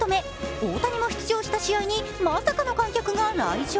大谷も出場した試合に、まさかの観客が来場。